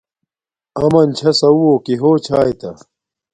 اَمَن چھݳ سَوُّہ، کݵ ہݸ چھݳئتݳ؟